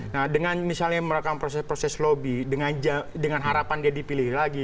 nah dengan misalnya merekam proses proses lobby dengan harapan dia dipilih lagi